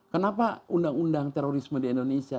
kenapa undang undang terorisme di indonesia